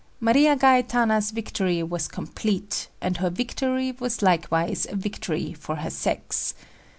Maria Gaetana's victory was complete, and her victory was likewise a victory for her sex.